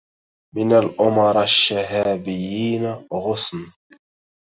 من الأمرا الشهابيين غصن